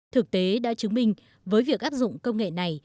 thực tế đã chứng minh với việc áp dụng công nghệ này